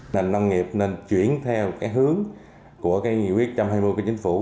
nền nông nghiệp nên chuyển theo cái hướng của cái nghị quyết một trăm hai mươi cái chính phủ